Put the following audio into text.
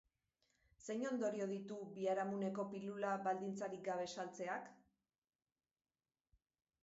Zein ondorio ditu biharamuneko pilula baldintzarik gabe saltzeak?